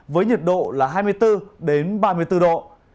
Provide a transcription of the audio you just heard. với nhiệt độ là hai mươi bốn ba mươi bốn độ